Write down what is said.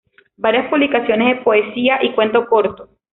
Varias publicaciones de poesía y cuento corto.